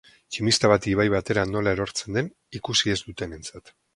Tximista bat ibai batera nola erortzen den ikusi ez dutenentzat.